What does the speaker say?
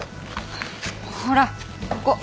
ほらここ。